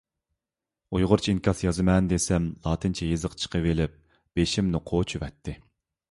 ئۇيغۇرچە ئىنكاس يازىمەن دېسەم، لاتىنچە يېزىق چىقىۋېلىپ بېشىمنى قوچۇۋەتتى.